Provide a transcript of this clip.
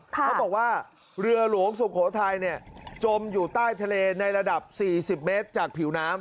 เขาบอกว่าเรือหลวงสุโขทัยจมอยู่ใต้ทะเลในระดับ๔๐เมตรจากผิวน้ำ